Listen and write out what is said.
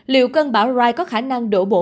liệu cân bão rai có khả năng đổ bộ